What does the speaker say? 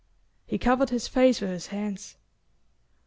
He covered his face with his hands.